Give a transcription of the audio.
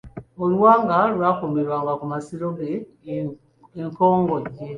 Oluwanga lwe lwakuumirwa ku masiro ge, e Kkongojje.